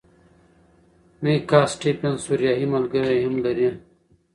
میکا سټیفنز سوریایي ملګری هم لري.